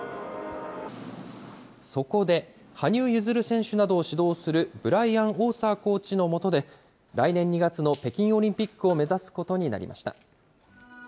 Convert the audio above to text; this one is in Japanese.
そこで、羽生結弦選手などを指導するブライアン・オーサーコーチの下で来年２月の北京オリンピックを目指すことになりました。